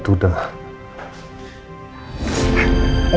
kan aku udah jelas